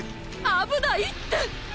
危ないって。